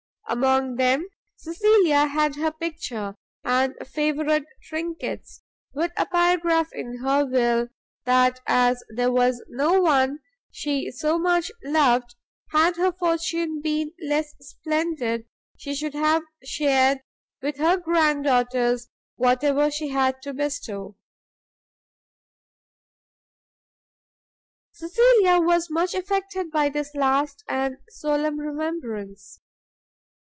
Among them Cecilia had her picture, and favourite trinkets, with a paragraph in her will, that as there was no one she so much loved, had her fortune been less splendid, she should have shared with her grand daughters whatever she had to bestow. Cecilia was much affected by this last and solemn remembrance.